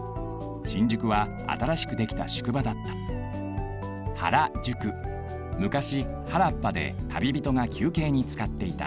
新宿は新しくできた宿場だったむかし原っぱでたびびとがきゅうけいにつかっていた。